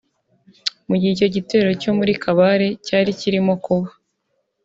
Mu gihe icyo gitero cyo muri Kabare cyari kirimo kuba